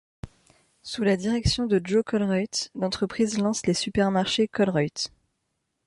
Sous la direction de Jo Colruyt, l’entreprise lance les supermarchés Colruyt.